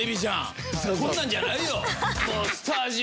こんなんじゃないよ。